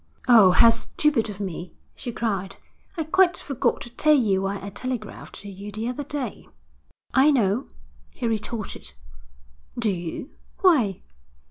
'Oh, how stupid of me!' she cried. 'I quite forgot to tell you why I telegraphed to you the other day.' 'I know,' he retorted. 'Do you? Why?'